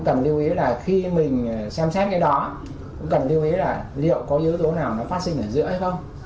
cần lưu ý là khi mình xem xét cái đó cũng cần lưu ý là liệu có yếu tố nào nó phát sinh ở giữa hay không